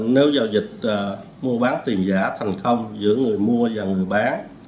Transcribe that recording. nếu giao dịch mua bán tiền giả thành công giữa người mua và người bán